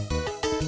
saya sudah selesai